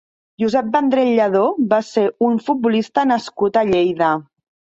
Josep Vendrell Lladó va ser un futbolista nascut a Lleida.